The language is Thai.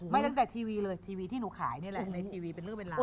ตั้งแต่ทีวีเลยทีวีที่หนูขายนี่แหละในทีวีเป็นเรื่องเป็นราว